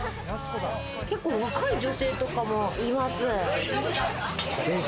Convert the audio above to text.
結構若い女性とかもいます。